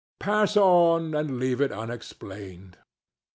Pass on and leave it unexplained.